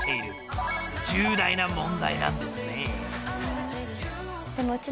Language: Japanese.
［重大な問題なんですね］